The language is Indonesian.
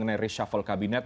apakah reshuffle kabinet